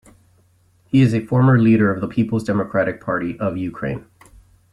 He is a former leader of the People's Democratic Party of Ukraine.